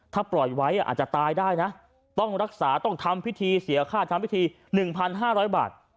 ถ้าปล่อยไว้อาจจะตายได้นะต้องรักษาต้องทำพิธีเสียค่าทำพิธี๑๕๐๐บาท